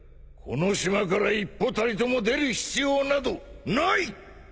この島から一歩たりとも出る必要などない！